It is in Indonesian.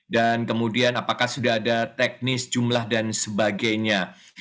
dan kemudian apakah sudah ada teknis jumlah dan sebagainya